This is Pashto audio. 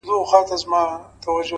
هره هڅه د راتلونکي تخم کري,